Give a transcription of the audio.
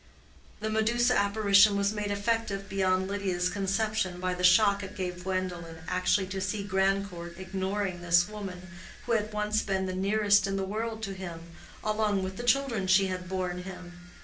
The Medusa apparition was made effective beyond Lydia's conception by the shock it gave Gwendolen actually to see Grandcourt ignoring this woman who had once been the nearest in the world to him, along with the children she had borne him.